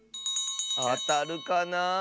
あたるかな。